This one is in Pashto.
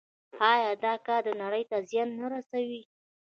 آیا دا کار نړۍ ته زیان نه رسوي؟